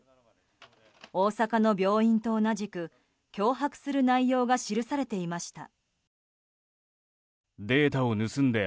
大阪の病院と同じく脅迫する内容が記されていました。